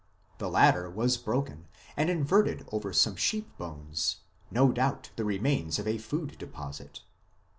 The latter was broken, and inverted over some sheep bones, no doubt the remains of a food deposit.